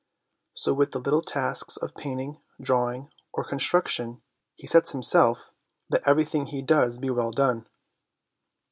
So with the little tasks of painting, drawing, or construction he sets himself let everything he does be well done.